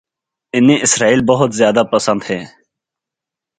انہیں اسرائیل بہت زیادہ پسند ہے